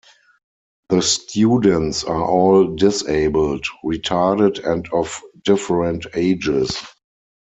The students are all disabled, retarded and of different ages.